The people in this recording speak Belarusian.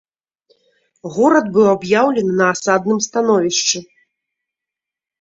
Горад быў аб'яўлены на асадным становішчы.